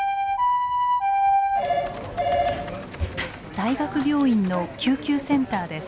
大学病院の救急センターです。